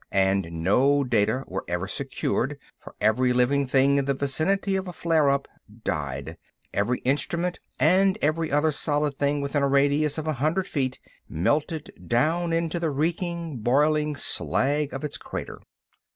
And no data were ever secured: for every living thing in the vicinity of a flare up died; every instrument and every other solid thing within a radius of a hundred feet melted down into the reeking, boiling slag of its crater.